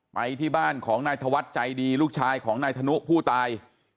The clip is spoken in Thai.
ไปที่บ้านของนายธวัฒน์ใจดีลูกชายของนายธนุผู้ตาย